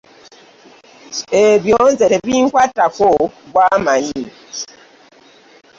Ebyo nze tebinkwatako gwe amanyi .